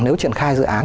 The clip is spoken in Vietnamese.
nếu triển khai dự án